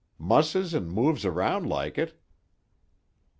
"Musses and moves around like it."